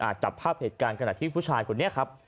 จับภาพเหตุการณ์ขณะที่ผู้ชายคนนี้ครับ